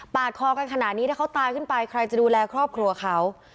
คอกันขนาดนี้ถ้าเขาตายขึ้นไปใครจะดูแลครอบครัวเขา